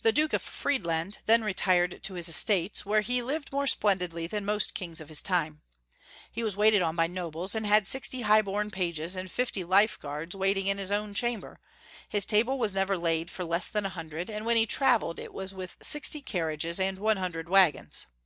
The Duke of Fiiedland then retired to his estates, where he lived more splendidly than most kings of his time. He was waited on by nobles, and had sixty liigh born pages and fifty life guards waiting in liis own chamber ; his table was never laid for less than a hundred ; and when he traveled it was with sixty S42 YouTig Folks' History of Germany. carriages and one hundred wagons.